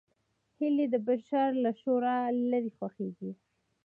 هیلۍ د بشر له شوره لیرې خوښېږي